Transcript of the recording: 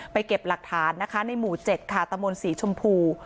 ไปเก็บหลักฐานในหมู่๗ขาตะมนต์สีชมพู